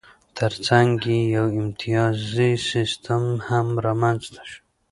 ترڅنګ یې یو امتیازي سیستم هم رامنځته شو